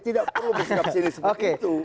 tidak perlu bersikap sini seperti itu